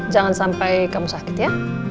jangan sampai kamu sakit ya